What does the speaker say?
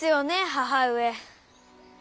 母上。